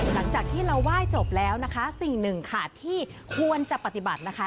หลังจากที่เราไหว้จบแล้วนะคะสิ่งหนึ่งค่ะที่ควรจะปฏิบัตินะคะ